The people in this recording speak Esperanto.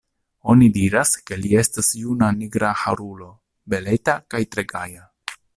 Oni diras, ke li estas juna nigraharulo, beleta kaj tre gaja.